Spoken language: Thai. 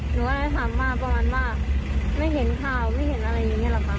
หนูก็เลยถามมาประมาณว่าไม่เห็นข่าวไม่เห็นอะไรอย่างนี้หรอคะ